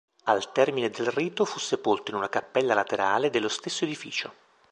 Al termine del rito fu sepolto in una cappella laterale dello stesso edificio.